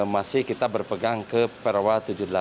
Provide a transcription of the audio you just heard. masih kita berpegang ke perwa tujuh puluh delapan